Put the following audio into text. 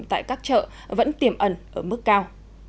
tại các chợ vẫn tiềm ẩn ở mức cao